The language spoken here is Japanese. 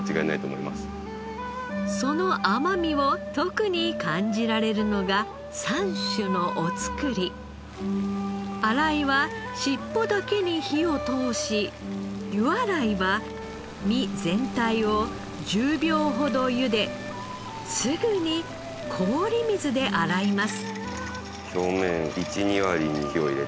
その甘みを特に感じられるのが洗いは尻尾だけに火を通し湯洗いは身全体を１０秒ほど茹ですぐに氷水で洗います。